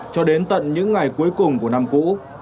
cho đến tận những ngày cuối cùng của năm cũ